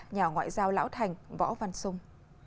nhà ngoại giao lão thành võ văn sung